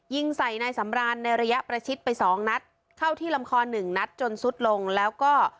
ยิงใส่นายสำรานในระยะประชิดไปสองนัดเข้าที่ลำคอหนึ่งนัดจนซุดลงแล้วก็